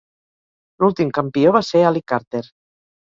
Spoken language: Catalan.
L'últim campió va ser Ali Carter.